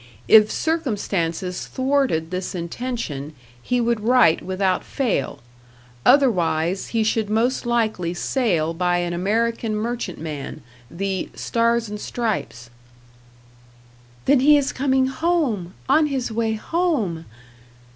If circumstances thwarted this intention, he would write without fail; otherwise he should most likely sail by an American merchantman the "Stars and Stripes." "Then he is coming home. On his way home!"